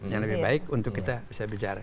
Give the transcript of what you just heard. yang lebih baik untuk kita bisa bicara